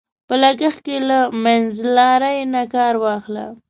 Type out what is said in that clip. په لګښت کې له منځلارۍ نه کار واخله.